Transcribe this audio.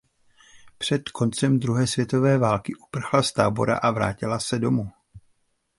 Před koncem druhé světové války uprchla z tábora a vrátila se domů.